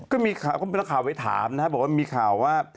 นักข่าวไปถามนะครับบอกว่ามีข่าวว่า